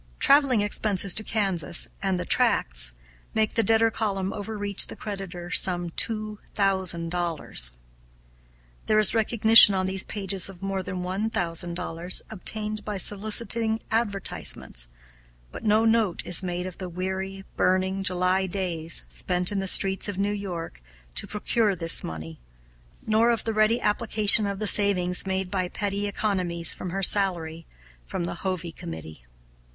Traveling expenses to Kansas, and the tracts, make the debtor column overreach the creditor some two thousand dollars. There is recognition on these pages of more than one thousand dollars obtained by soliciting advertisements, but no note is made of the weary, burning July days spent in the streets of New York to procure this money, nor of the ready application of the savings made by petty economies from her salary from the Hovey Committee.